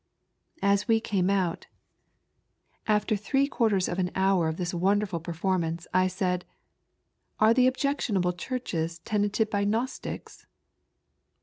As we came out, after three quarters of au hour THE POPULAR PREACHER. 29 of this wonderful performance, I said, Are the objectionable churches tenanted by Gnostics?"